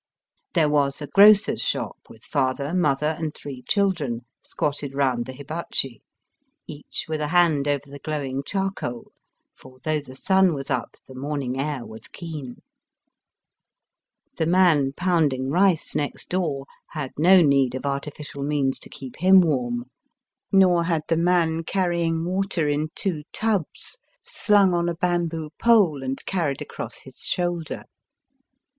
There wa% a grocer's shop with father, mother, and three Digitized by VjOOQIC SOME JAPANESE TRAITS. 201 children squatted round the hibaichi, each with a hand over the glowing charcoal, for though the sun was up the morning air was keen. The man pounding rice next door had no need of artificial means to keep him warm, nor had the man .carrying water in two tubs slung on a bamboo pole and carried across his shoulder.